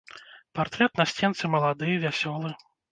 Партрэт на сценцы малады, вясёлы.